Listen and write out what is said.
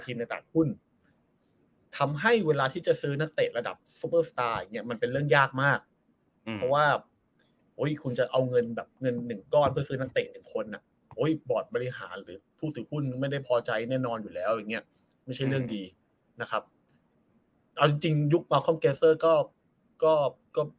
ก็ซื้อตัวแพงอยู่บ้างแต่ว่าซื้อค่อนข้างสักเป็นสักบาทนะครับ